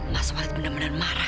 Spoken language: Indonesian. mas walid benar benar marah